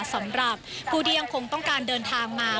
สำหรับผู้ที่ยังคงต้องการเดินทางมา